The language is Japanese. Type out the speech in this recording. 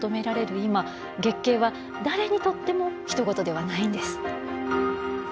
今月経は誰にとってもひと事ではないんです。